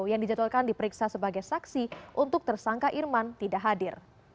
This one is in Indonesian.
yang dijadwalkan diperiksa sebagai saksi untuk tersangka irman tidak hadir